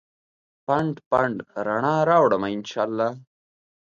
پنډ ، پنډ رڼا راوړمه ا ن شا الله